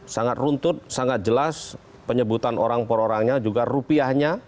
sangat runtut sangat jelas penyebutan orang per orangnya juga rupiahnya